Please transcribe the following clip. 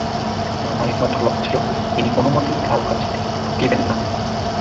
মামার একমাত্র লক্ষ্য ছিল, তিনি কোনোমতেই কারো কাছে ঠকিবেন না।